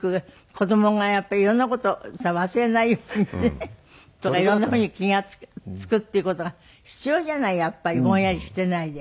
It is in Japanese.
子供がやっぱり色んな事をさ忘れないようにね。とか色んなふうに気が付くっていう事が必要じゃないやっぱりぼんやりしていないで。